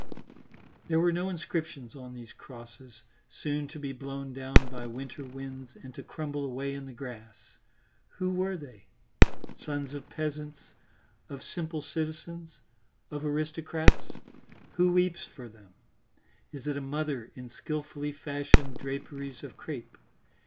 There was no inscription on these crosses, soon to be blown down by winter winds and to crumble away in the grass. Who were they? Sons of peasants, of simple citizens, of aristocrats? Who weeps for them? Is it a mother in skilfully fashioned draperies of crape?